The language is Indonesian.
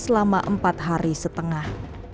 selama empat hari setengah